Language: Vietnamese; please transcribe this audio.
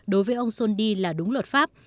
đối với ông sondi là đúng luật pháp